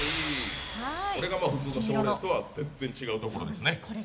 これが普通の賞レースとは全然違うところですね。